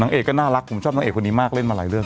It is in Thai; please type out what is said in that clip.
เอกก็น่ารักผมชอบนางเอกคนนี้มากเล่นมาหลายเรื่อง